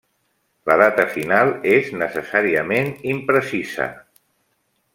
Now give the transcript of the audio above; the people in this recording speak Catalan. La data final és necessàriament imprecisa.